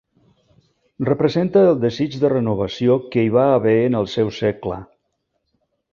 Representa el desig de renovació que hi va haver en el seu segle.